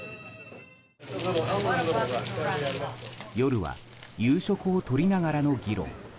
夜は夕食をとりながらの議論。